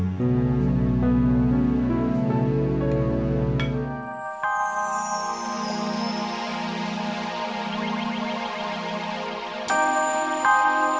jangan agak agak ya